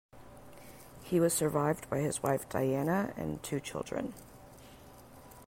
He was survived by his wife, Diana, and two children.